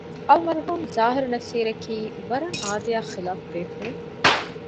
އަލްމަރްޙޫމް ޒާހިރު ނަޞީރަކީ ވަރަށް އާދަޔާ ޚިލާފު ބޭފުޅެއް